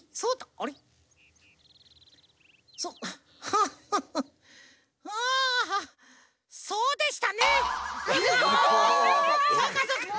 あそうでしたね！ズコッ！